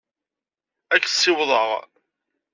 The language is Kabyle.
Ad k-ssiwḍeɣ?